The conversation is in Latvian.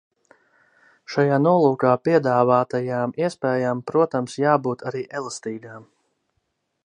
Šajā nolūkā piedāvātajām iespējām, protams, jābūt arī elastīgām.